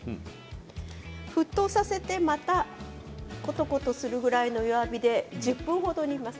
沸騰させて、またことことするぐらいの弱火で１０分ほど煮ます。